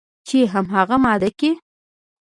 چې همغه ماده کې